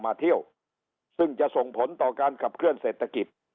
มาเที่ยวซึ่งจะส่งผลต่อการขับเคลื่อนเศรษฐกิจ